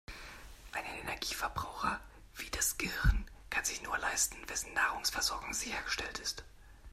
Einen Energieverbraucher wie das Gehirn kann sich nur leisten, wessen Nahrungsversorgung sichergestellt ist.